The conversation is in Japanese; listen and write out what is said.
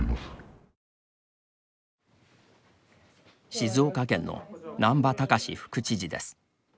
静岡県の難波喬司副知事です。